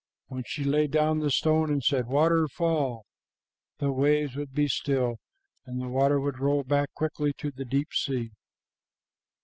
When she laid down the stone and said, 'Water, fall!' the waves would be still, and the water would roll back quickly to the deep sea.